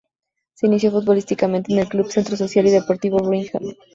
Se inició futbolísticamente en el club Centro Social y Deportivo Brinkmann.